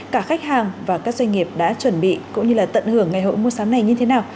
cả khách hàng và các doanh nghiệp đã chuẩn bị cũng như là tận hưởng ngày hội mua sắm này như thế nào